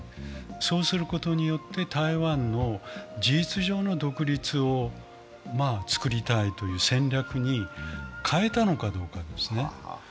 そうすることによって台湾の事実上の独立をつくりたいという戦略に変えたのかどうかですね。